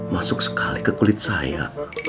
masuk sekali ke kulit saya